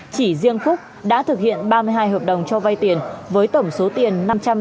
chỉ riêng phúc đã thực hiện ba mươi hai hợp đồng cho vay tiền với tổng số tiền năm trăm sáu mươi bốn